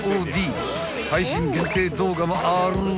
［配信限定動画もあるぅ！